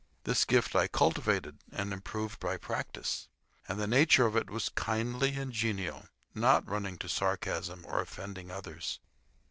This gift I cultivated and improved by practice. And the nature of it was kindly and genial, not running to sarcasm or offending others.